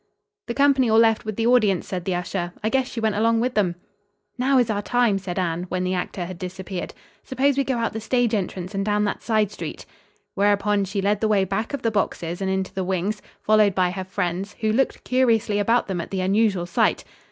"The company all left with the audience," said the usher. "I guess she went along with 'em." "Now is our time," said Anne, when the actor had disappeared. "Suppose we go out the stage entrance and down that side street!" Whereupon she led the way back of the boxes and into the wings, followed by her friends, who looked curiously about them at the unusual sight.